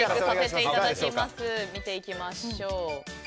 見ていきましょう。